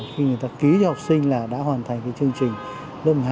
khi người ta ký cho học sinh là đã hoàn thành cái chương trình lớp hai